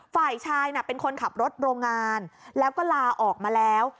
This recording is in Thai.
ฝ่ายชายเป็นคนขับรถโรงงานแล้วก็ลาออกมาแล้ว